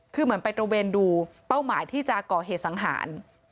คือเหมือนไปตระเวนดูเป้าหมายที่จะก่อเหตุสังหาร